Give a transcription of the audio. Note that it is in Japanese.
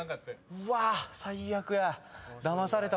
うわっ最悪や。